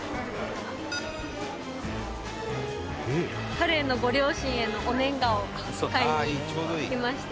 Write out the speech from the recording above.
「彼へのご両親へのお年賀を買いに来ました」